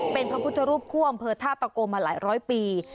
เป็นพระพุทธรูปคู่อำเภอท่าตะโกมาหลายร้อยปี